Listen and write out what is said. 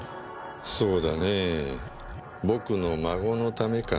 そうだねぇ僕の孫のためかな。